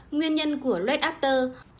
nguyên nhân của lết after